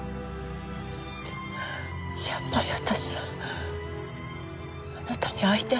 やっぱり私はあなたに会いたい。